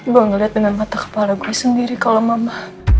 gue ngeliat dengan mata kepala gue sendiri kalau mama